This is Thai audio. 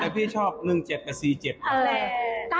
แต่พี่ชอบเลขกับมี๗กับ๗อ่ะ